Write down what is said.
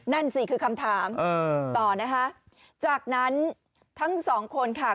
นั่นสิคือคำถามต่อนะคะจากนั้นทั้งสองคนค่ะ